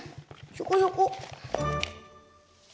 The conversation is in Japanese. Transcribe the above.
ひょこひょこ。